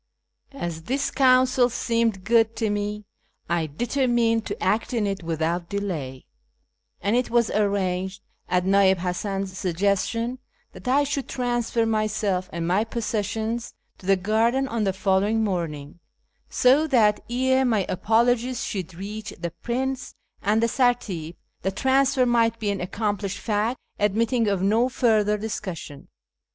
As this counsel seemed good to me, I determined to act on it without delay ; and it was arranged, at Nii'il) Hasan's suggestion, that I should transfer myself and my possessions to the garden on the following morning, so that ere my apologies should reach the prince and the sartip the transfer might be an accom plished fact, admitting of no further discussion.